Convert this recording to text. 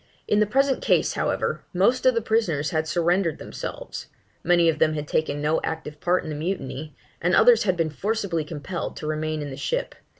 In the present case, however, most of the prisoners had surrendered themselves; many of them had taken no active part in the mutiny; and others had been forcibly compelled to remain in the ship.